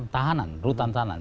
tahanan rutan tahanan